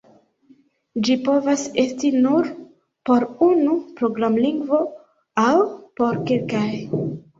Ĝi povas esti nur por unu programlingvo aŭ por kelkaj.